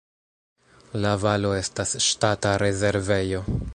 La valo estas ŝtata rezervejo.